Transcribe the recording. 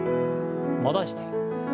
戻して。